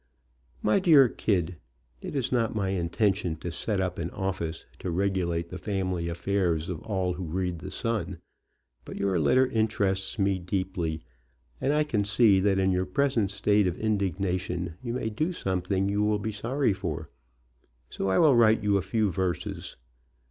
My Dear Kid: It is not my intention to set up an office to regulate the family affairs of all who read The Sun, but your letter interests me deeply and I can see that in your present state of indignation you may do something you will be sorry for, so I will write you a few verses.